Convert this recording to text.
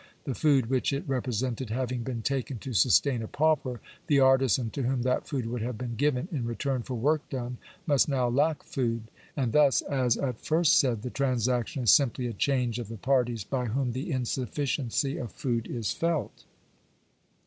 The food which it represented having been taken to sustain a pauper, the artizan to whom that food would have been given in return for work done, must now lack food. And thus, as at first said, the transaction is simply a change of the parties by whom the insufficiency of food is felt.